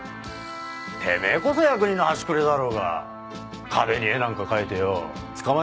てめぇこそ役人の端くれだろうが壁に絵なんか描いてよ捕まえなくていいのか？